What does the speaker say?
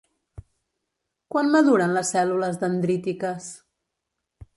Quan maduren les cèl·lules dendrítiques?